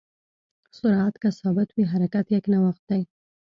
سرعت که ثابت وي، حرکت یکنواخت دی.